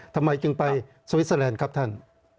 ทำไมจึงไปสวิสเตอร์แลนด์ครับท่าน